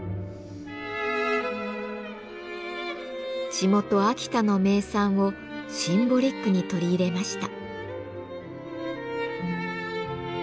地元秋田の名産をシンボリックに取り入れました。